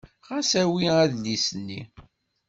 Ɣas awi adlis-nni.